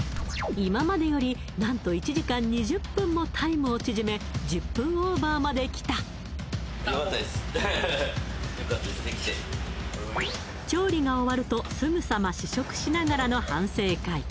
今までより何と１時間２０分もタイムを縮め１０分オーバーまできた調理が終わるとすぐさま試食しながらの反省会